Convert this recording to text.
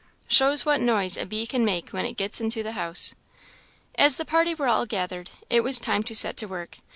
Shows what noise a bee can make when it gets into the house. As the party were all gathered, it was time to set to work.